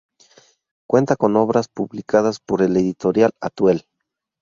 Cuenta con obras publicadas, por Editorial Atuel.